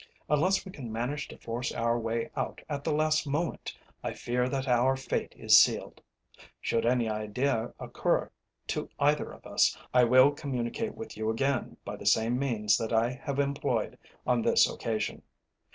Unless we can manage to force our way out at the last moment, I fear that our fate is sealed. Should any idea occur to either of us, I will communicate with you again by the same means that I have employed on this occasion.